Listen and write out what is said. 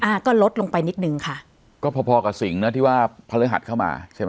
อ่าก็ลดลงไปนิดนึงค่ะก็พอพอกับสิงห์นะที่ว่าพระฤหัสเข้ามาใช่ไหม